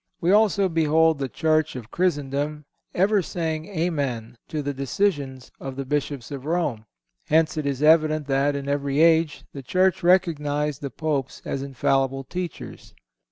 We also behold the Church of Christendom ever saying Amen to the decisions of the Bishops of Rome. Hence it is evident that, in every age, the Church recognized the Popes as infallible teachers.